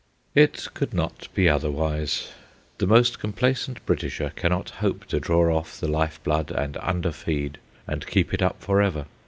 It could not be otherwise. The most complacent Britisher cannot hope to draw off the life blood, and underfeed, and keep it up forever.